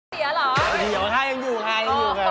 อ๋อไม่รู้เสียใจเรื่องอะไร